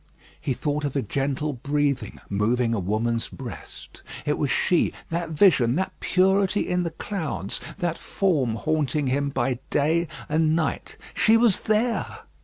He thought of a gentle breathing moving a woman's breast. It was she, that vision, that purity in the clouds, that form haunting him by day and night. She was there!